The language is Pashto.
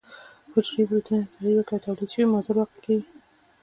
حجروي پروتینونو ته تغیر ورکوي او تولید شوي یې مضر واقع کیږي.